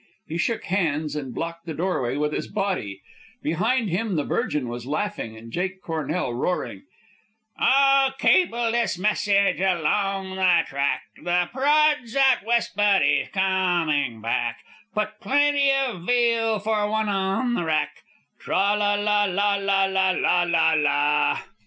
He shook hands and blocked the doorway with his body. Behind him the Virgin was laughing and Jake Cornell roaring: "Oh, cable this message along the track; The Prod's out West, but he's coming back; Put plenty of veal for one on the rack, Trolla lala, la la la, la la!"